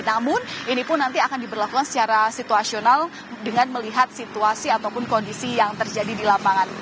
namun ini pun nanti akan diberlakukan secara situasional dengan melihat situasi ataupun kondisi yang terjadi di lapangan